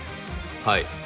はい。